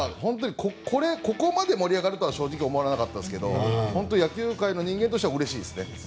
ここまで盛り上がるとは正直思わなかったですが野球界の人間としてはうれしいですね。